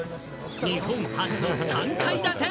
日本初の３階建て。